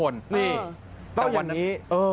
นี่ต้องอย่างนี้